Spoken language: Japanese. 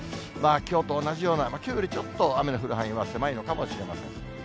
きょうと同じような、きょうよりちょっと雨の降る範囲は狭いのかもしれません。